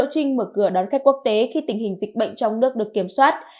trình mở cửa đón khách quốc tế khi tình hình dịch bệnh trong nước được kiểm soát